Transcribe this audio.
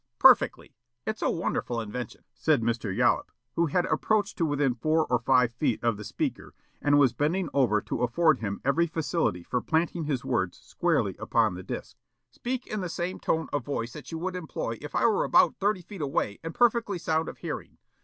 "Perfectly. It's a wonderful invention," said Mr. Yollop, who had approached to within four or five feet of the speaker and was bending over to afford him every facility for planting his words squarely upon the disc. "Speak in the same tone of voice that you would employ if I were about thirty feet away and perfectly sound of hearing.